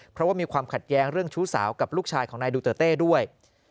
เพราะว่ามีความขัดแย้งเรื่องชู้สาวกับลูกชายของนายดูเตอร์เต้ด้วย